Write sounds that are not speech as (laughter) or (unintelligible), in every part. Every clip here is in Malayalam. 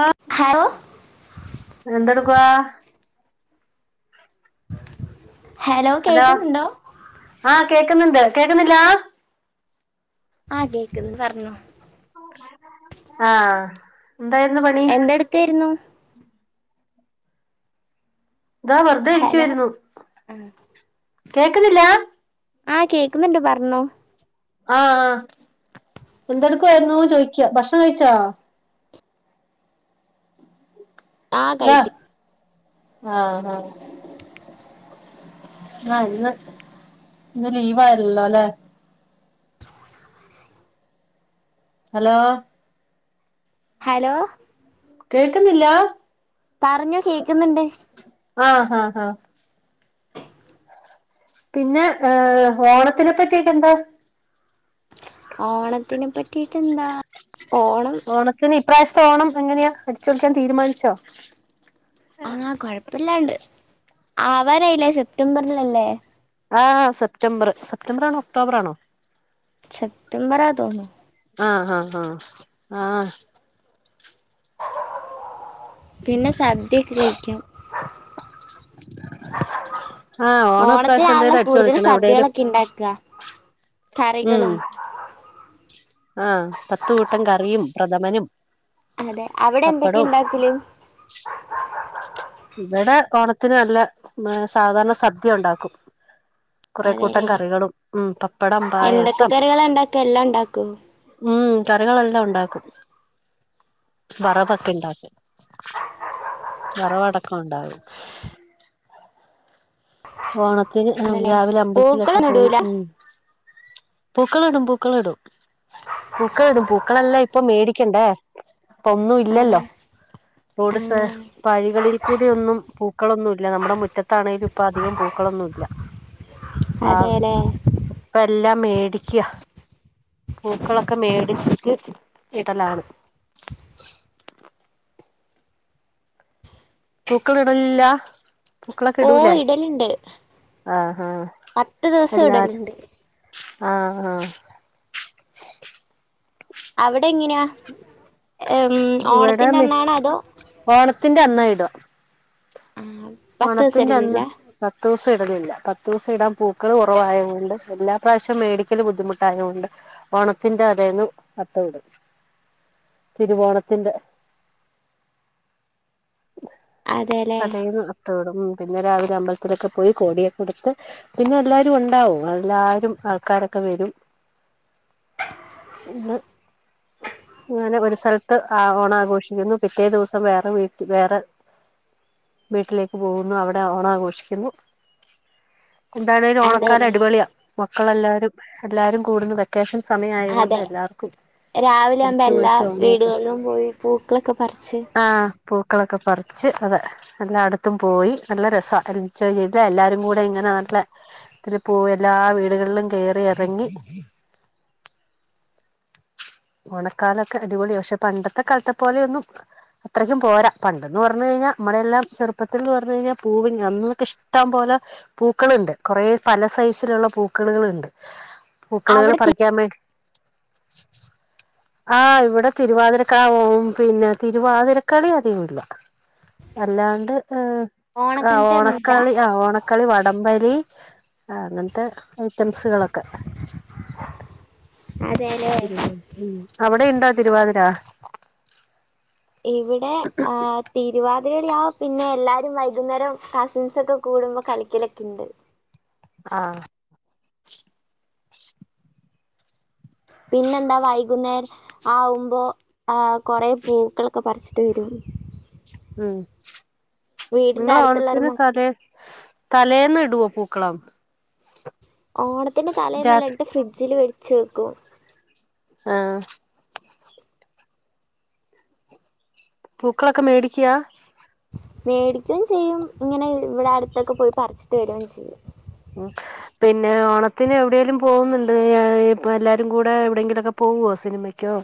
ആഹ് ഹലോ എന്തെടുക്ക ഹലോ കേക്ക്ന്ന്ണ്ടോ കേക്ക്ന്ന്ണ്ട് കേക്ക്ന്നില്ല ആഹ് കേക്ക്ന്ന് പറഞ്ഞോ ആഹ് എന്തെടുക്കായിരുന്നു ഇതാ വെറുതെ ഹലോ ഇരിക്കുവമായിരുന്നു കേക്ക്ന്നില്ല ആഹ് കേക്ക്ന്ന്ണ്ട് പറഞ്ഞോ ആഹ് ആ എന്തടുക്കായിരുന്നു ചോയ്ക്ക ഭക്ഷണം കഴിച്ചോ ആഹ് കഴിച്ച് ആഹ് ആഹ് ആ ഇന്ന് ലിവ് ആയിരുന്നല്ലോ അല്ലെ ഹലോ ഹലോ കേക്ക്ന്നില്ല പറഞ്ഞോ കേക്ക്ന്ന്ണ്ട് ആ ആ ആ പിന്നെ ഏഹ് ഓണത്തിനെ പറ്റിയിട്ട് എന്താ ഓണത്തിനെ പറ്റി റ്റെന്താ? ഓണത്തിനെ ഇപ്രാവ്ശത്തെ ഓണം എങ്ങനെയാ അടിച്ച് പൊളിക്കാൻ തീരുമാനിച്ചോ? ആഹ് കൊഴപ്പല്ലാണ്ട് ആവാരായിലെ സെപ്റ്റംബറിലല്ലേ? ആഹ് സെപ്റ്റംബർ സെപ്റ്റംബറാണോ, ഒക്ടോബറാണോ? സെപറ്റംബറാ തോന്നൂ ആഹ് ആഹ് ആഹ് ആഹ് പിന്നെ സ് ആഹ് ഓണം ഇപ്രാവ്ശ്യം ഓണത്തിനാണല്ലോ എന്തായലും അടിച്ചു കൂടുതൽ പൊളിക്കണം എവിടേലും സദ്യകളൊക്കെ ഉണ്ടാക്കുക ഉം കറികളും ആഹ് പത്ത് കൂട്ടം കറിയും പ്രഥമനും അതെ, അവിടെന്തൊക്കെയ പപ്പടവും ഇണ്ടാക്കല്? ഇബടെ ഓണത്തിന് നല്ല സാധാരണ സദ്യ ഒണ്ടാക്കും. കൊറെ കൂട്ടം അതെല്ലേ കറികളും ഉം പപ്പടം എന്തൊക്കെ പായസം കറികളാ ഉണ്ടാക്കുക എല്ലാം ഉണ്ടാക്കോ ഉം കറികളെല്ലാം ഉണ്ടാക്കും. വറവൊക്കെ ഇണ്ടാക്കി (unintelligible) വറവടക്ക ക്കൊണ്ടാവും വോണം ത്തിന് ഉം ആണല്ലേ രാവിലെ അമ്പല്ത്തിലൊക്കെ പൂക്കളൊന്നും പോയി ഇടൂല ഉം. പൂക്കള് ഇടും പൂക്കള് ഇടും പൂക്കള ഇടും പൂക്കളെല്ലാ ഇപ്പൊ മേടിക്കണ്ടേ? ഇപ്പൊന്നും ഇല്ലല്ലോ ആഹ് റോഡിനെ ആഹ് പാഴിൽകളി. കുടിയൊന്നും പൂക്കളൊന്നുല്ല, നമ്മടെ മുറ്റത്താണെലും ഇപ്പ അധികം പൂക്കളൊന്നുല്ല. ആഹ് അതെല്ലേ ഇപ്പ എല്ലാ മേടിക്ക്യാ, പൂക്കളൊക്കെ മേടിച്ചിട്ട് ഇടലാണ്. പൂക്കളിടലില്ല? ഓ ഇടലുണ്ട്, ആഹ് ആഹ് പത്തു ദിവസം ഇടലുണ്ട്. ആ ആ അവിടെങ്ങനെയാ? ഇവിടെ മി ഓണത്തിന്റെ അന്നാ ഇടും. ആഹ് പത്ത് ദിവസം ഓണത്തിന്റെ അന്ന്, ഇടലില്ല പത്തൂസം ഇടലില്ല പത്ത് ദൂസോടാൻ പൂക്കള് കുറവായത് കൊണ്ട് എല്ലാ പ്രാവശ്യോം മേടിക്കല് ബുദ്ധിമുട്ടായകൊണ്ട് ഓണത്തിന്റെ അതേന്ന് അത്തവിടും തിരുവോണത്തിന്റെ അതേല്ലേ? ഉം പിന്നെ രാവിലെ അമ്പലത്തിലൊക്കെ പോയി കോടിയക്കെ എടുത്ത് പിന്നെ എല്ലാരും ഉണ്ടാവും, എല്ലാരും, ആൾക്കാരൊക്കെ വരും. ഇന്ന് അങ്ങനെ ഒരു സ്ഥലത്ത് ആ ഓണം ആഘോഷിക്കുന്നു പിറ്റേ ദിവസം വേറെ വീട്ടി, വേറെ വീട്ടിലേക്ക് പോകുന്നു അവിടെ ഓണം ആഘോഷിക്കുന്നു. എന്താണേലും ഓണക്കാലം അതെല്ലേ അടിപൊളിയാ. മക്കളെല്ലാരും എല്ലാരും കൂടുന്ന് വെക്കേഷൻ സമയം ആയതുകൊണ്ട് അതെ എല്ലാവർക്കും രാവിലെ ആവുമ്പോ അടിച്ചു എല്ലാ പൊളിച്ച് ഓണമൊക്കെ വീടുകളിലും പോയി പൂക്കളൊക്കെ പറിച്ച് ആഹ് പൂക്കളൊക്കെ അതെ എല്ലാടു ത്തും പോയി നല്ല രസാ അതുചെയ്ത് എല്ലാരും കൂടെ ഇങ്ങനെ നല്ല ഇത് പോയി എല്ലാ വീടുകളിലും കേറി ഇറങ്ങി ഓണക്കാലൊക്കെ അടിപൊളിയാ പക്ഷെ പണ്ടത്തെ കാലത്തെ പോലെയൊന്നും അത്രക്കും പോരാ പണ്ടെന്ന് പറഞ്ഞു കഴിഞ്ഞാൽ മ്മടെയെല്ലാം ചെറുപ്പ ഇപ്പത്തെന്ന് പറഞ്ഞു കഴിഞ്ഞാൽ പൂവില്ല അന്നൊക്കെ ഇഷ്ടം പോലെ പൂക്കളുണ്ട് കുറ പല സൈസിലുള്ള പൂക്കളുകളൊണ്ട്. പൂക്കളുകള് അവിടെ തി പറിക്കാമ്മേ ആ ഇവിടെ തിരുവാതിരക്കാവവും പിന്നെ തിരുവാതിരക്കളി അധികവില്ല അല്ലാണ്ട് ഏ ആ ഓണക്കിണറ്റൊന്നുല്ല ഓണക്കളി ആ ഓണക്കളി വടംവലി, ആ അങ്ങനത്തെ ഐറ്റംസുകളൊക്കെ അതെല്ലേ തിരുവാ ഉം അവിടെ ഇണ്ടോ തിരുവാതിര ഇവിടെ ആ തിരുവാ അത് ശെരിയാ പിന്നെ എല്ലാരും വൈകുന്നേരം കസിൻസൊക്കെ കൂടുമ്പോ കളിക്കലൊക്കെ ഇണ്ട്. ആ പിന്നെന്താ വൈകുന്നേര ആവുമ്പോ ആ കൊറേ പൂക്കളൊക്കെ പറിച്ചിട്ട് വരും ഉം വീടിന്റെ നിങ്ങള് അടുത്തുള്ളൊരു ഓണത്തിന് മ കലേ തലേന്ന് ഇടുവോ പൂക്കളം ഓണത്തിന്റെ തലേന്ന് രാ എല്ലാം എടുത്ത് ഫ്രിഡ്ജില് വെ ച്ചേക്കും. ആ പൂക്കളൊക്കെ മേടിക്കാ മേടിക്കേം ചെയ്യും ഇങ്ങനെ ഇവിടെ അടുത്തൊക്കെ പോയി പറിച്ചിട്ട് വരുവേം ചെയ്യും ഉം പിന്നെ ഓണത്തിന് എവിടേലും പോവുന്നുണ്ട് എ ഇപ്പ എല്ലാരും കൂടെ എവിടേങ്കിലുമൊക്കെ പോവുവോ സിനിമക്കോ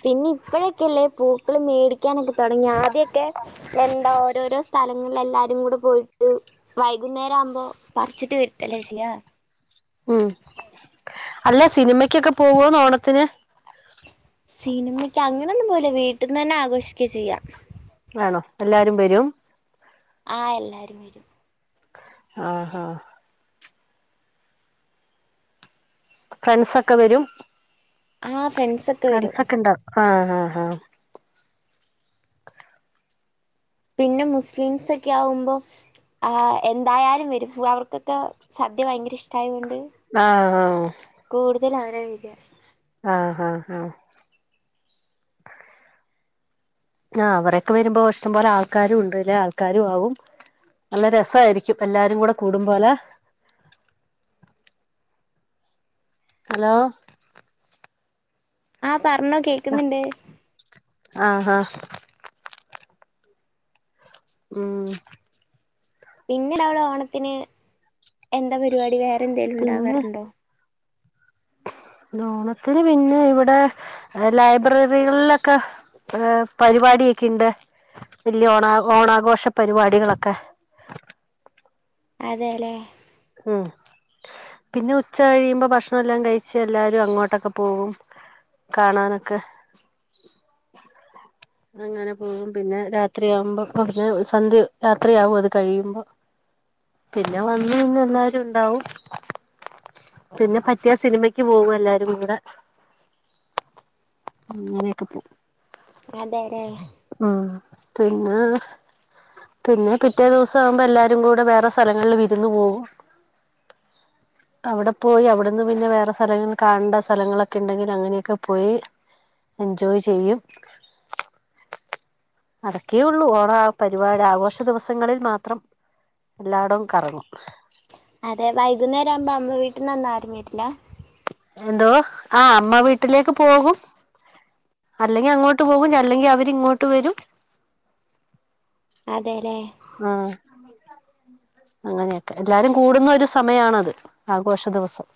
പിന്നെ ഇപ്പഴൊക്കെല്ലേ പൂക്കള് മേടിക്കാനൊക്കെ തൊടങ്ങിയേ ആദ്യമൊക്കെ എന്താ ഓരോരോ സ്ഥലങ്ങളില് എല്ലാരും കൂടെ പോയിട്ട് വൈകുന്നേരം ആവുമ്പോ പറിച്ചിട്ട് വരുത്തല്ലേ ചെയ്യാ ഉം അല്ല സിനിമക്കൊക്കെ പോവോന്ന് ഓണത്തിന് സിനിമയ്ക്ക് അങ്ങനൊന്നും പോവൂല വീട്ടിന്ന് തന്നെ ആഘോഷിക്ക്യാ ചെയ്യാ ആണോ എല്ലാരും വരും ആ എല്ലാരും വരും ആ ആ ഫ്രണ്ട്സൊക്കെ വരും ആ ഫ്രണ്ട്സ് ഒക്കെ വരും ആ ഹാ ഹാ പിന്നെ മുസ്ലീംസ് ഒക്കെ ആവുമ്പോ ആ എന്തായാലും വരും അവർക്കൊക്കെ സദ്യ ഭയങ്കര ഇഷ്ടായോ ആഹ് ഹാ ജെല് ആരായിരിക്കും അ ഹാ ഹാ അ അവരൊക്കെ വരുമ്പോ ഇഷ്ടംപോലെ ആൾക്കാരും ഉണ്ട് ല്ലാ ആൾക്കാരും ആവും നല്ല രസായിരിക്കും എല്ലാരും കൂടെ കൂടുംപോലെ ഹലോ ആ പറഞ്ഞോ കേക്ക്ന്നണ്ട് ആ ഹാ ഉം പിന്നെ അവിടെ ഓണത്തിന് എന്താ പരിപാടി വേ ന്തേലും പിന്നെ ഉണ്ടവാറുണ്ടോ ഓണത്തിന് പിന്നെ ഇവിടെ ലൈബ്രറികളിലൊക്കെ ഏ പരിപാടിയൊക്കെ ഇണ്ട് വല്യ ഓണാ ഓണാഘോഷ പരിപാടികളൊക്കെ അതേല്ലേ ഉം പിന്നെ ഉച്ച കഴിയുമ്പോ ഭക്ഷണം എല്ലാം കഴിച്ച് എല്ലാരും അങ്ങോട്ടൊക്കെ പോവും കാണാനൊക്കെ അങ്ങനെ പോകും പിന്നെ രാത്രിയാകുമ്പോ കൊറച്ചു സന്ധ്യ രാത്രിയാവും അത് കഴിയുമ്പോ പിന്നെ വന്ന് നിന്ന് എല്ലാരും ഉണ്ടാവും പിന്നെ പറ്റിയ സിനിമക്ക് പോകും എല്ലാരും കൂടെ അങ്ങനെ ക്കെ പോകും അതെല്ലേ പിന്നെ പിന്നെ പിറ്റേ ദിവസം ആകുമ്പോ എല്ലാരും കൂടെ വേറെ സ്ഥലങ്ങളിൽ വിരുന്ന് പോവും അവിടെ പോയി അവിടെന്ന് പിന്നെ വേറെ സ്ഥലങ്ങലങ്ങളിൽ കാണണ്ട സ്ഥലങ്ങളൊക്കെ ഉണ്ടെങ്കിൽ അങ്ങനെയൊക്കെ പോയി എൻജോയ് ചെയ്യും അതക്കെഉള്ളൂ ഒറ ആ പരിപാടി ആഘോഷ ദിവസങ്ങളിൽ മാത്രം എല്ലായിടവും കറങ്ങും അതെ വൈകുന്നേരം ആവുമ്പോ അമ്മ വീട്ടിൽന്ന്ആരും വരില്ല എന്തോ ആ അമ്മ വീട്ടിലേക്ക് പോകും അല്ലെങ്കി അങ്ങോട്ട് പോകും അല്ലെങ്കി അവരി ഇങ്ങോട്ട് വരും അതെല്ലെ ആ അങ്ങനെയൊക്കെ എല്ലാരും കൂടുന്ന ഒരു സമയാണത് ആഘോഷ ദിവസം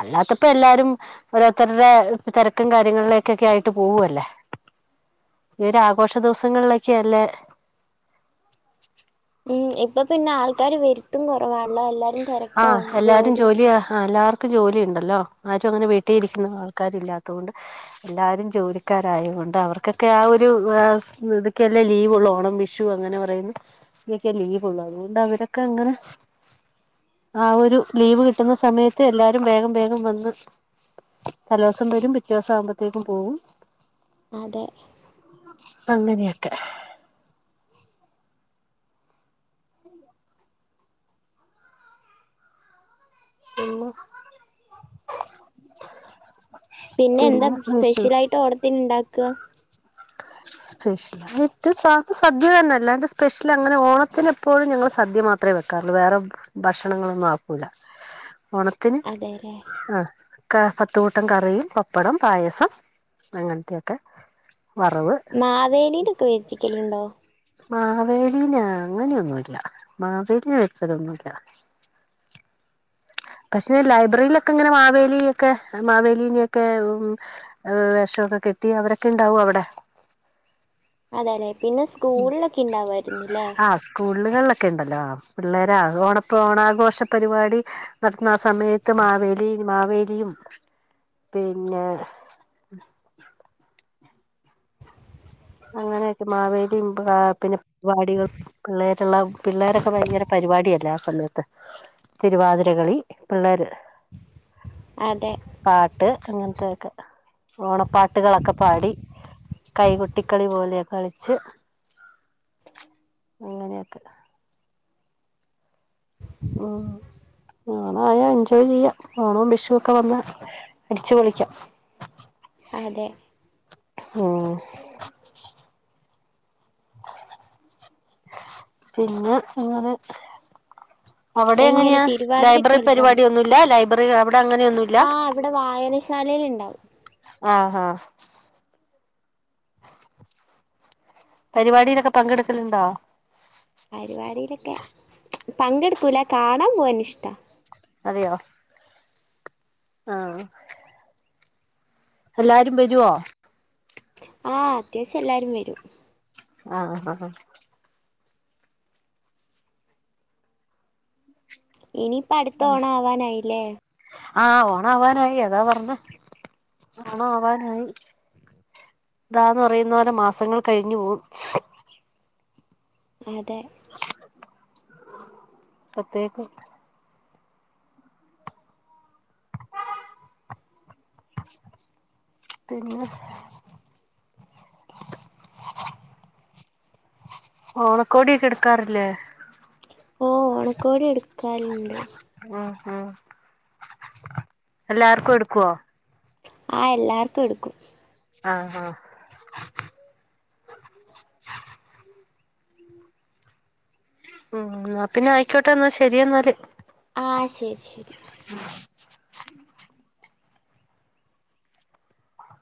അല്ലാത്തപ്പോ എല്ലാരും ഓരോരുത്തരുടെ തിരക്കും കാര്യങ്ങളിലേക്കൊക്കെ ആയിട്ട് പോവല്ലേ ഈ ഒരു ആഘോഷ ദിവസങ്ങളിലൊക്കെയ അല്ലേ മ് ഇപ്പ പിന്നെ ആൾക്കാര് വരുത്തും കുറവാണല്ലോ അല്ലാ ആ എല്ലാരും ജോലിയ എല്ലാവർക്കും ക്കും ജോലി ഉണ്ടല്ലോ ആരും അങ്ങനെ വീട്ടില് ഇരിക്കുന്ന ആൾക്കാര് ഇല്ലാത്തുകൊണ്ട് എല്ലാരും ജോലിക്കാരായോണ്ട് അവർക്കൊക്കെ ആ ഒരു ഇതൊക്കെല്ലേ ലീവള്ളു ഓണം വിഷു അങ്ങനെ പറയുന്ന ഇതൊക്കെയ ലീവ്ള്ളു അതുകൊണ്ട് അവരൊക്കെ അങ്ങനെ അഒരു ലീവ് കിട്ടുന്ന സമയത്ത് എല്ലാരും വേഗം വേഗം വന്ന് തലോസം വരും പിറ്റേ ദിവസം ആവുമ്പോഴത്തേക്കും പോകും അതെ പ്പഅങ്ങനെയൊക്കെ പിന്നെ (inaudible) പിന്നെ എന്താ സ്പെഷ്യൽ ആയിട്ട് ഓണത്തിന് ഇണ്ടാക്ക ക്ക സ്പെഷ്യൽ എന്നിട്ട് സ സദ്യ തന്നെ അല്ലാണ്ട് സ്പെഷ്യൽ അങ്ങനെ ഓണത്തിന്പ്പോഴും ഞങ്ങള് സദ്യ മാത്രമേ വെക്കാറുള്ളൂ വേറെ ഭക്ഷണങ്ങളൊന്നും ആക്കൂല ഓണത്തിന് അതെല്ലേ ആ ക പത്ത് കൂട്ടം കറിയും പപ്പടം പായസം അങ്ങനത്തെയൊക്കെ വറവ് മാവേലി ലൊക്കെ വെച്ച് വെക്കലുണ്ടോ മാവേലീന അങ്ങനെയൊന്നുംഇല്ല മാവേലി വച്ചതൊന്നുമില്ല പക്ഷെ ലൈബ്രറിയിലൊക്കെ ഇങ്ങനെ മാവേലി ഒക്കെ മാവേലീനെ ഒക്കെ വേഷമൊക്കെ കെട്ടി അവരൊക്കെ ഇണ്ടാവും അവിടെ അതെല്ലെ പിന്നെ സ്കൂളിലൊക്കെ ഇണ്ടാവായിരുന്നല്ലേ ഒക്കെ ഉണ്ടല്ലോ പിള്ളേരാ ഓണപ്പ ഓണാഘോഷ പരിപാടി നടത്തുന്ന ആ സമയത്ത് മാവേലി മാവേലിയും പിന്നെ അങ്ങനെയൊക്കെ മാവേലിയും പിന്നെ പരിപാടികളും പിള്ളേരുള്ള പിള്ളേരൊക്കെ ഭയങ്കര പരിപാടല്ലേ ആ സമയത്ത് തിരുവാതിരകളി പിള്ളേര് അതെ പാട്ട് അങ്ങനത്തൊക്കെ ഓണം പാട്ടുകളൊക്കെ പാടി കൈ കൊ ട്ടിക്കളി പോലെ വെച്ച് അങ്ങനൊക്കെ മ് ആണായാ എൻജോയ് ചെയ്യാം ഓണവും വിഷുവോക്കെ വന്ന അടിച്ചു പൊളിക്കാം അതെ മം പിന്നെ ഇങ്ങനെ അവിടെ എങ്ങനെ എങ്ങനെയാ തിരുവാതിരൊക്കെ ലൈബ്രറി കളിക്കാൻ പരിപാടി പറ്റോ ഒന്നുമില്ല ലൈബ്രറി അവിടെ അങ്ങനെയൊന്നുമില്ല ആഹ് ഇവിടെ വായനശാലയിൽ ഇണ്ടാവും ആ ആ പരിപാടിയിലൊക്കെ പങ്കെടുക്കലുണ്ടോ പരിപാടിയിലൊക്കെ ച്ചും പങ്കെടുക്കൂല്യാ കാണാൻ പോവാൻ ഇഷ്ടാ തിയോ ആ എല്ലാരും വെരുവോ ആ അത്യാവശ്യം എല്ലാരും വരും ആ ആ ഹ ഹ ഇനി ഇംപ്പ അട്ത്ത ഓണം ആവാനായില്ലേ ആ ഓണം ആവാനായി അതാ പറഞ്ഞേ ഓണം ആവാനായി ഇതാന്ന് പറെയന്ന പോലെ മാസങ്ങൾ കഴിഞ്ഞ് പോവും അതെ അപ്പെത്തേക്കും പിന്നെ ഓണക്കോടിയൊക്കെ എട്ക്കാറില്ലേ ഓ ഓണക്കോടി എടുക്കാല്ണ്ട് ഉം ഉം എല്ലാർക്കും എടുക്കുവോ ആ എല്ലാർക്കും എടുക്കും ആ ആ ഉം ഉം ആ പിന്നെ ആയിക്കോട്ടെ എന്നാ ശെരി എന്നാല് ആശെരി ശെരി